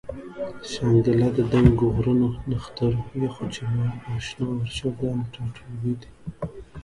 شانګله د دنګو غرونو، نخترو، یخو چینو او شنو ورشوګانو ټاټوبے دے